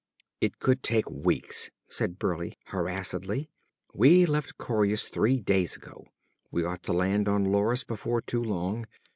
"It could take weeks," said Burleigh harassedly. "We left Coryus three days ago. We ought to land on Loris before too long.